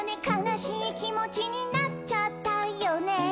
「かなしいきもちになっちゃったよね」